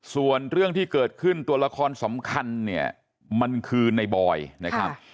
ส่วนเรื่องที่เกิดขึ้นตัวละครสำคัญเนี่ยมันคือในบอยนะครับ